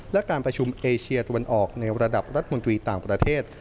และการประชุมเอเชียตะวันออกในระดับรัฐมนตรีต่างประเทศ